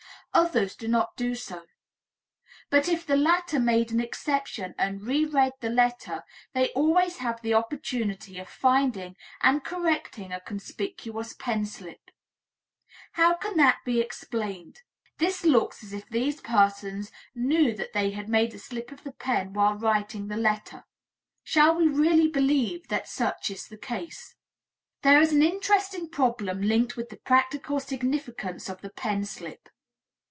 Others do not do so. But if the latter make an exception and reread the letter, they always have the opportunity of finding and correcting a conspicuous pen slip. How can that be explained? This looks as if these persons knew that they had made a slip of the pen while writing the letter. Shall we really believe that such is the case? There is an interesting problem linked with the practical significance of the pen slip.